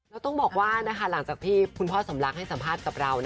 แล้วต้องบอกว่าหลังจากที่คุณพ่อสมรักให้สัมภาษณ์กับเรา